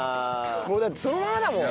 もうだってそのままだもん。